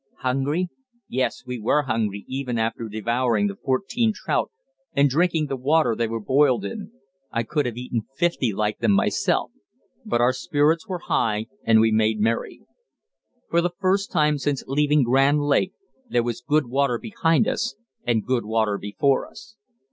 Hungry? Yes, we were hungry even after devouring the fourteen trout and drinking the water they were boiled in I could have eaten fifty like them myself but our spirits were high, and we made merry. For the first time since leaving Grand Lake there was good water behind us and good water before us.